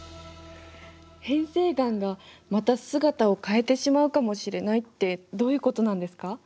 変成岩がまた姿を変えてしまうかもしれないってどういうことなんですか？